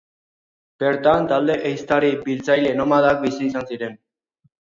Bertan talde ehiztari-biltzaile nomadak bizi izan ziren.